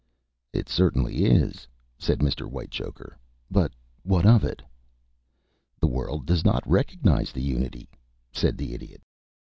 "It certainly is," said Mr. Whitechoker. "But what of it?" "The world does not recognize the unity," said the Idiot.